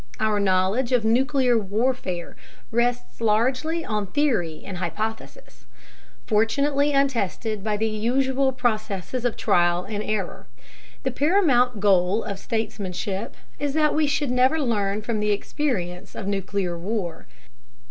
Our knowledge of nuclear warfare rests largely on theory and hypothesis, fortunately untested by the usual processes of trial and error; the paramount goal of statesmanship is that we should never learn from the experience of nuclear war.